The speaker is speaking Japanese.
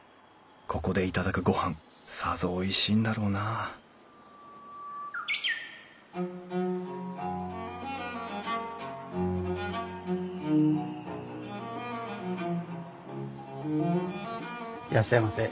ここで頂くごはんさぞおいしいんだろうないらっしゃいませ。